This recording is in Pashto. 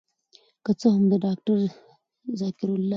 که څه هم د داکتر ذکر الله